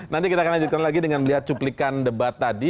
nanti kita akan lanjutkan lagi dengan melihat cuplikan debat tadi